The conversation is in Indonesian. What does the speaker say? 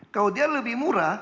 kalau dia lebih murah